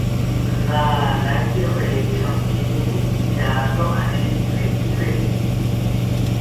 Nanakiro echonkini inchato ashi tzitzi